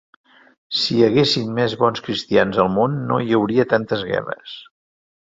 Si hi haguessin més bons cristians al món no hi hauria tantes guerres.